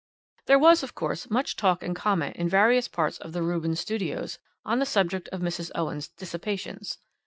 "There was, of course, much talk and comment in various parts of the Rubens Studios on the subject of Mrs. Owen's 'dissipations.'